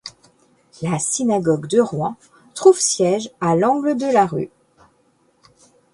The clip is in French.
La synagogue de Rouen trouve siège à l'angle de la rue.